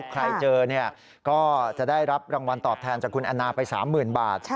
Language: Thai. ใครเจอก็จะได้รับรางวัลตอบแทนจากคุณแอนนาไป๓๐๐๐บาท